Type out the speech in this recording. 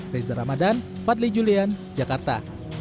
reza ramadan fadli julian jakarta